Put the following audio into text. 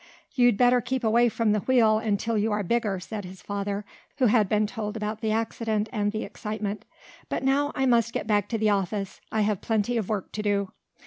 "You'd better keep away from the wheel until you are bigger," said his father, who had been told about the accident and the excitement. "But now I must get back to the office. I have plenty of work to do."